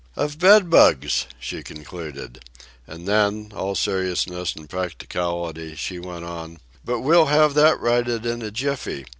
"Of bedbugs," she concluded. And then, all seriousness and practicality, she went on: "But we'll have that righted in a jiffy.